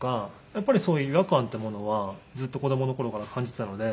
やっぱりそういう違和感っていうものはずっと子供の頃から感じてたので。